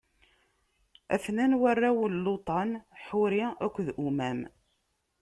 A-ten-an warraw n Luṭan: Ḥuri akked Umam.